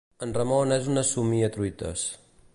En Ramon és una somia truites.